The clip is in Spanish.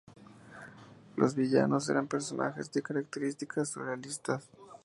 Los villanos eran personajes de características surrealistas.